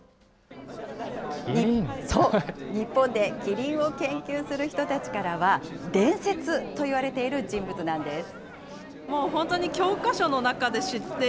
そう、日本でキリンを研究する人からは、伝説といわれている人物なんです。